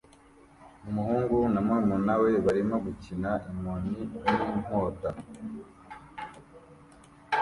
Umuhungu na murumuna we barimo gukina inkoni n'inkota